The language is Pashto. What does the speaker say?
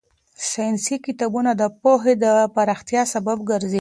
ساينسي کتابونه د پوهې د پراختیا سبب ګرځي.